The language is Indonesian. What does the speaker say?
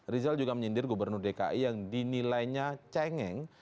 rizal juga menyindir gubernur dki yang dinilainya cengeng